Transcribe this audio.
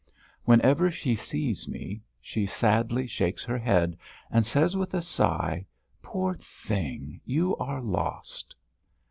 Whenever she sees me she sadly shakes her head and says with a sigh: "Poor thing. You are lost!"